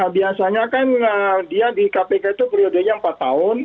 biasanya kan dia di kpk itu periodenya empat tahun